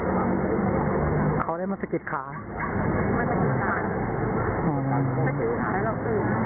ว่าเพื่อนสมัยตายเขาพูดแบบแบบ